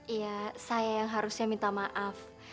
iya saya yang harusnya minta maaf